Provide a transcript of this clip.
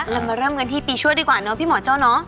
แล้วมาเริ่มกันที่ปีชวดดีกว่าเนอะพี่หมอเจ้าน้อง